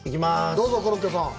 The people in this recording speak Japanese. どうぞコロッケさん。